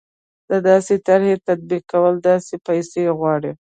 د داسې طرحې تطبیقول ډېرې پیسې غواړي.